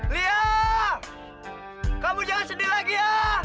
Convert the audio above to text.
lihat kamu jangan sedih lagi ya